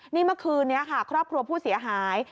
นี่เมื่อคืนนี้ค่ะครอบครัวผู้เสียหาย